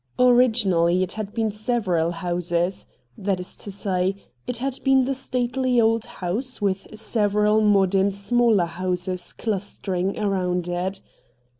Originally it had been several houses, that is to say, it had been the stately old house with several modern smaller houses clustering around it.